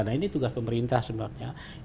nah ini tugas pemerintah sebenarnya